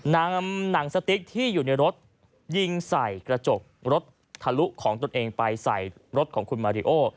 นำหนังสติ๊กที่อยู่ในรถยิงใส่กระจกรถทะลุของตนเองไปใส่รถของคุณมาริโอ